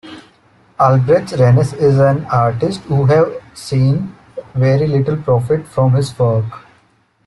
Albrecht Raines is an artist who has seen very little profit from his work.